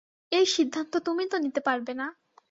এই সিদ্ধান্ত তুমি তো নিতে পারবে না।